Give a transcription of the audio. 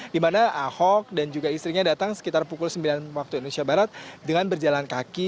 dimana ahok dan juga istrinya datang sekitar pukul sembilan waktu indonesia barat dengan berjalan kaki